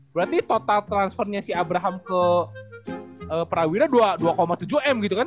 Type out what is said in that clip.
berarti total transfernya si abraham ke prawira dua tujuh m gitu kan